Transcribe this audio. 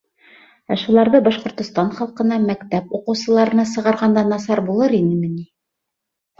Ә шуларҙы Башҡортостан халҡына, мәктәп уҡыусыларына сығарғанда насар булыр инеме ни?!